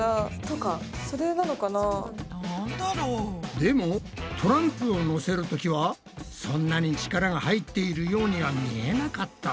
でもトランプをのせるときはそんなに力が入っているようには見えなかったぞ。